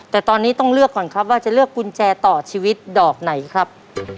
แต่ตอนนี้ต้องเลือกก่อนครับว่าจะเลือกกุญแจต่อชีวิตดอกไหนครับ